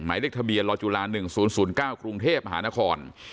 หมายเลขทะเบียนรจุลาหนึ่งศูนย์ศูนย์ก้าวกรุงเทพฯหานคร